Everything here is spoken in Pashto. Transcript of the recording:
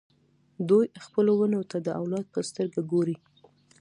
دوی خپلو ونو ته د اولاد په سترګه ګوري.